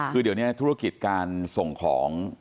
คือเดี๋ยวนี้ธุรกิจการส่งของ